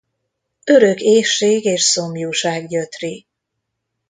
Örök éhség és szomjúság gyötri.